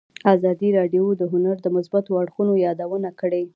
ازادي راډیو د هنر د مثبتو اړخونو یادونه کړې.